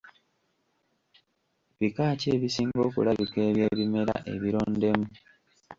Bika ki ebisinga okulabika eby’ebimera ebirondemu?